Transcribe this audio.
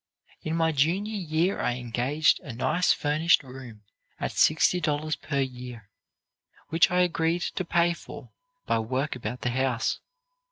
"In my junior year I engaged a nice furnished room at $60 per year, which I agreed to pay for by work about the house.